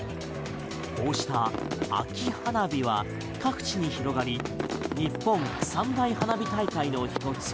こうした秋花火は各地に広がり日本三大花火大会の一つ